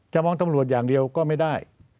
มองตำรวจอย่างเดียวก็ไม่ได้